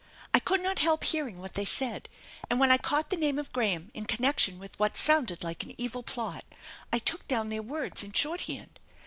I could not help hearing what they said, and when I caught the name of Graham in connection with what sounded like an evil plot I took down their words in shorthand.